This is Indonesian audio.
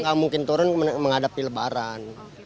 nggak mungkin turun menghadapi lebaran